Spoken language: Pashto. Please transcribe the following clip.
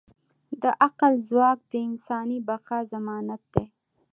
د عقل ځواک د انساني بقا ضمانت دی.